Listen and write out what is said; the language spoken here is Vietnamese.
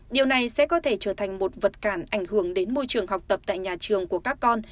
điều này sẽ có thể trở thành một vật cản ảnh hưởng đến môi trường học tập tại nhà trường của các con